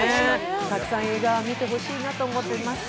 たくさん映画見てほしいなと思っています。